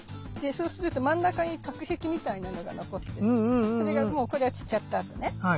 そうすると真ん中に隔壁みたいなのが残ってさそれがもうこれは散っちゃったあとね。